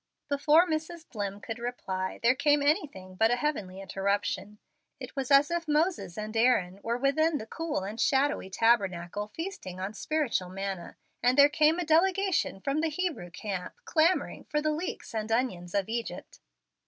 Before Mrs. Dlimm could reply, there came anything but a heavenly interruption. It was as if Moses and Aaron were within the cool and shadowy tabernacle, feasting on spiritual manna, and there came a delegation from the Hebrew camp, clamoring for the "leeks and onions of Egypt."